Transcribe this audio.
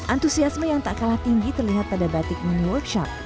antusiasme yang tak kalah tinggi terlihat pada batik mini workshop